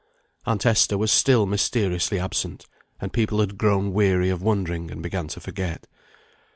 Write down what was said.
Aunt Esther was still mysteriously absent, and people had grown weary of wondering and began to forget.